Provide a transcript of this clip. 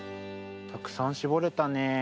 たくさんしぼれたね。